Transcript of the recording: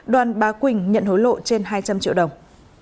đoàn bá quỳnh nhận hối lộ trên hai trăm linh triệu đồng